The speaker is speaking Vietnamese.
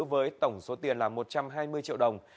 với tổng số tiền là một trăm hai mươi triệu đồng